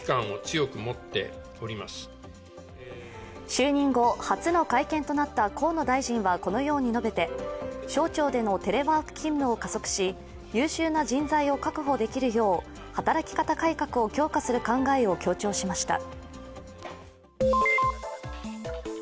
就任後、初の会見となった河野大臣はこのように述べて省庁でのテレワーク勤務を加速し優秀な人材を確保できるよう働き方改革を強化する考えを強調しました。